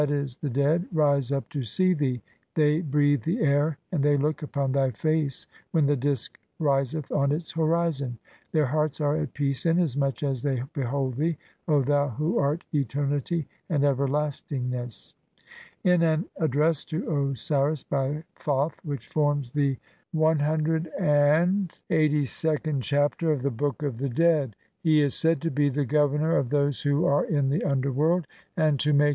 c, the "dead) rise up to see thee, they breathe the air and "they look upon thy face when the disk riseth on its "horizon ; their hearts are at peace inasmuch as they "behold thee, O thou who art Eternity and Everlast "ingness" (p. 34). In an address to Osiris by Thoth which forms the CLXXXIInd Chapter of the Book of ■the Dead (see p. 340) he is said to be the "Governor of those who are in the underworld", and "to make OSIRIS AND THE RESURRECTION.